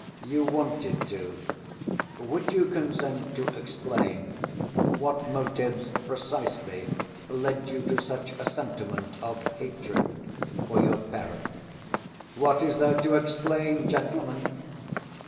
"You wanted to. Would you consent to explain what motives precisely led you to such a sentiment of hatred for your parent?" "What is there to explain, gentlemen?"